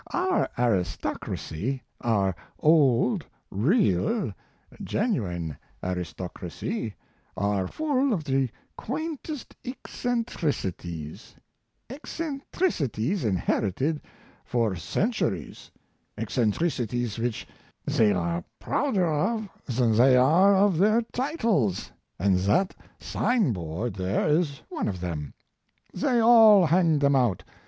Our aristocracy, our old, real, genuine aristocracy, are full of the quaintest eccentricities, eccentricities inherited for centuries, eccentricities which they are prouder of than they are of their titles, and that sign board there is one of them. They all hang them out.